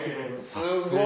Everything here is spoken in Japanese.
すごい！